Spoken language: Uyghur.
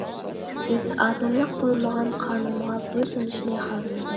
بىز ئادىللىق بولمىغان قانۇنغا بوي سۇنۇشنى خالىمىدۇق.